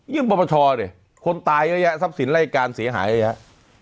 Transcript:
ยึดประชอดิคนตายเยอะแยะทรัพย์ศิลป์ไร้การเสียหายเยอะแยะ